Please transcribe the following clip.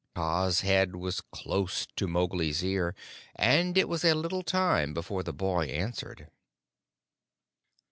Kaa's head was close to Mowgli's ear; and it was a little time before the boy answered.